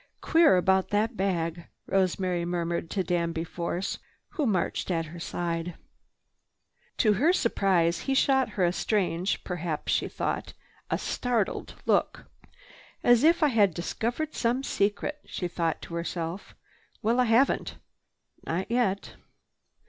"Queer about that bag," Rosemary murmured to Danby Force, who marched at her side. To her surprise he shot her a strange—perhaps, she thought, a startled look. "As if I had discovered some secret," she thought to herself. "Well, I haven't—not yet."